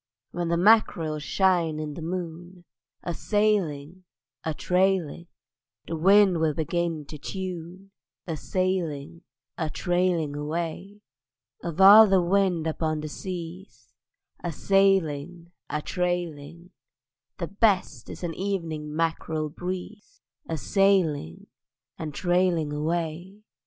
When the mack'rel shine in the moon, A sailing, a trailing; Then the wind will begin to tune: A sailing, a trailing away. Of all the wind upon the seas, A sailing, a trailing; The best is an evening mackerel breeze: A sailing and trailing away.